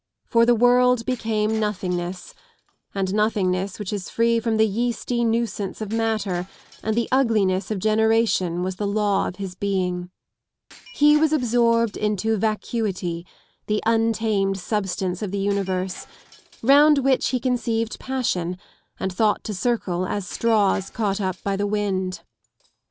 For the world became nothingness, and nothingness which is free from the yeasty nuisance of matter and the ugliness of generation was the law of his being. He was absorbed into vacuity, the untamed substance of the universe, round which he conceived passion and thought to circle as straws caught up by the wind.